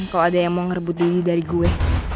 kalau ada yang mau ngerebut diri dari gue